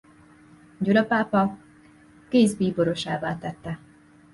Gyula pápa Guise bíborosává tette.